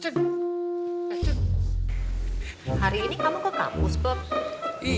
hari ini kamu ke kampus klub